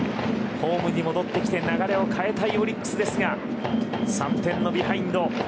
ホームに戻ってきて流れを変えたいオリックスですが３点のビハインド。